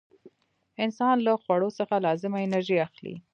انسان له خوړو څخه لازمه انرژي اخلي.